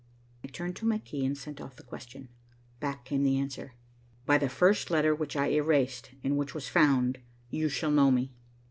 I turned to my key and sent off the question. Back came the answer. "By the first letter which I erased and which was found, you shall know me."